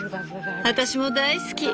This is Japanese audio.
私も大好き。